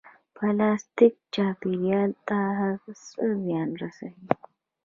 پلاستیک چاپیریال ته څه زیان رسوي؟